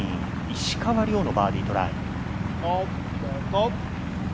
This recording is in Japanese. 石川遼のバーディートライ。